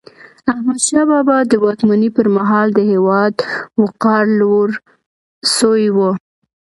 احمدشاه بابا د واکمني پر مهال د هیواد وقار لوړ سوی و.